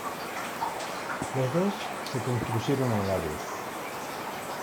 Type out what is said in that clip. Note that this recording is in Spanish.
Los dos se construyeron a la vez.